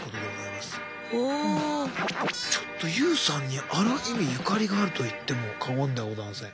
ちょっとＹＯＵさんにある意味ゆかりがあると言っても過言ではございません。